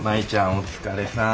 お疲れさん。